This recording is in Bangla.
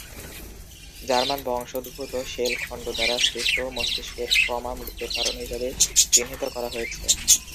জার্মান বংশোদ্ভূত শেল খণ্ড দ্বারা সৃষ্ট মস্তিষ্কের ট্রমা মৃত্যুর কারণ হিসাবে চিহ্নিত করা হয়েছে।